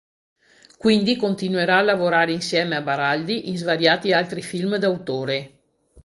Quindi continuerà a lavorare insieme a Baraldi in svariati altri film d'autore.